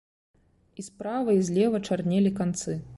І справа і злева чарнелі канцы.